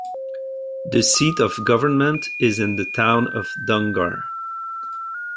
The seat of government is in the town of Donggar.